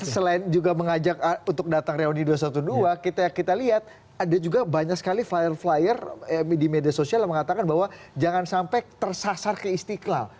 selain juga mengajak untuk datang reuni dua ratus dua belas kita lihat ada juga banyak sekali fire flyer di media sosial yang mengatakan bahwa jangan sampai tersasar ke istiqlal